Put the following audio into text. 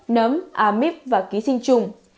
nấm amip và ký sinh trùng